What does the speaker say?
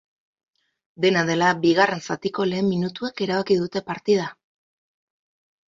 Dena dela, bigarren zatiko lehen minutuek erabaki dute partida.